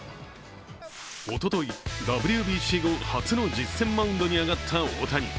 おととい、ＷＢＣ後、初の実戦マウンドに上がった大谷。